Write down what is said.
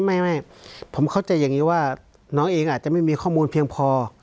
ไม่ผมเข้าใจอย่างนี้ว่าน้องเองอาจจะไม่มีข้อมูลเพียงพอ